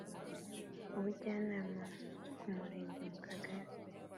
Ubujyanama ku Murenge mu Kagari